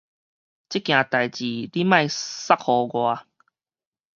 這件代誌你莫捒予我